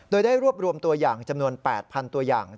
โดยได้รวบรวมตัวอย่างจำนวน๘๐๐๐ตัวอย่าง